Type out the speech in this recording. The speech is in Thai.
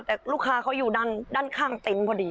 แต่ลูกค้าเขาอยู่ด้านข้างเต็นต์พอดี